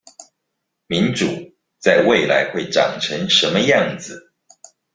民主在未來會長成什麼樣子？